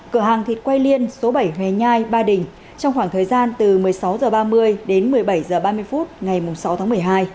cửa hàng thịt quay liên số bảy hoài nhai ba đình trong khoảng thời gian từ một mươi sáu h ba mươi đến một mươi bảy h ba mươi phút ngày sáu tháng một mươi hai